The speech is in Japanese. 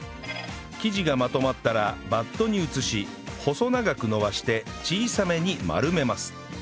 生地がまとまったらバットに移し細長く延ばして小さめに丸めます